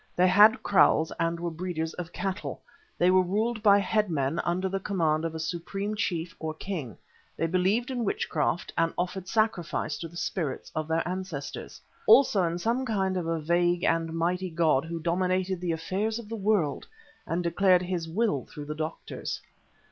They had kraals and were breeders of cattle; they were ruled by headmen under the command of a supreme chief or king; they believed in witchcraft and offered sacrifice to the spirits of their ancestors, also in some kind of a vague and mighty god who dominated the affairs of the world and declared his will through the doctors.